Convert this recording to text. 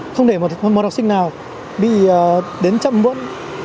không để một học sinh nào bị đến chậm vụn